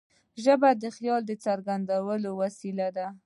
ژبه د خیال د څرګندولو وسیله ده.